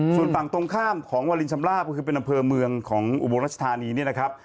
ส่วนฝั่งตรงข้ามของวาลินชำลาบก็คือเป็นอำเภอเมืองของอุบลรัชธานีเนี่ยนะครับ